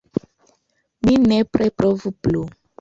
Mi nepre provu plu!